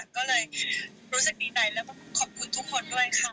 ก็เลยรู้สึกดีใจแล้วก็ขอบคุณทุกคนด้วยค่ะ